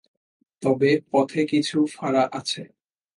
তবে পথে কিছু ফাঁড়া আছে।